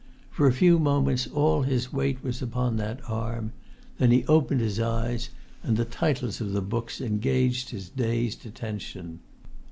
For a few moments all his weight was upon that arm; then he opened his eyes, and the titles of the books engaged his dazed attention.